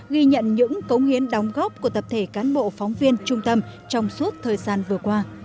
ghi nhận những cống hiến đóng góp của tập thể cán bộ phóng viên trung tâm trong suốt thời gian vừa qua